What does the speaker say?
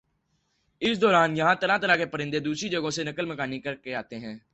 اس دوران یہاں طرح طرح کے پرندے دوسری جگہوں سے نقل مکانی کرکے آتے ہیں